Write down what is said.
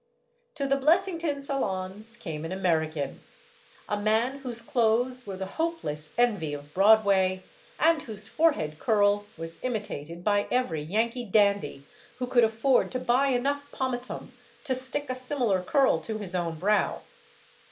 To the Blessington salons came an American, a man whose clothes were the hopeless envy of Broadway, and whose forehead curl was imitated by every Yankee "THE MOST GORGEOUS LADY BLESSINGTON" 223 dandy who could afford to buy enough pomatum to stick a similar curl to his own brow.